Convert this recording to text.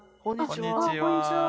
こんにちは！